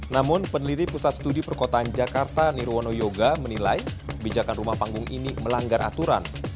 namun peneliti pusat studi perkotaan jakarta nirwono yoga menilai kebijakan rumah panggung ini melanggar aturan